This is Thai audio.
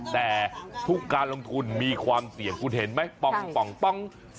แต่ทุกการลงทุนมีความเสี่ยงคุณเห็นไหมป้อง